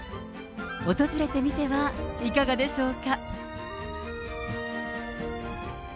訪れてみてはいかがでしょうか。